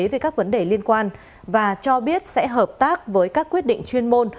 về các vấn đề liên quan và cho biết sẽ hợp tác với các quyết định chuyên môn